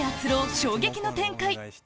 衝撃の展開！